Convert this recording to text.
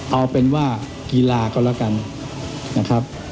เอาเป็นว่ากีฬาก็แล้วกันนะครับ